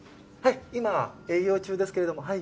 はい今営業中ですけれども。